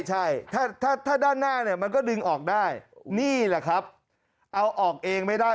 ใช่ถ้าถ้าด้านหน้าเนี่ยมันก็ดึงออกได้นี่แหละครับเอาออกเองไม่ได้